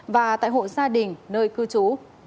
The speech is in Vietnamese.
và tại hộ gia đình nơi cư trú